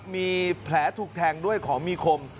มีแผลถูกแทงด้วยของมีคม